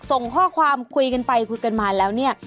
ส่งข้อความคุยกันไปคุยกันมาแล้วเนี่ย